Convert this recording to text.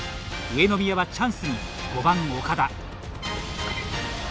上宮はチャンスに、５番・岡田。